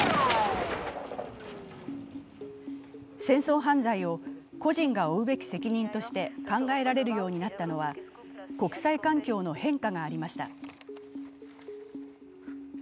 戦争犯罪を個人が負うべき責任として考えられるようになったのは国際環境の変化がありました。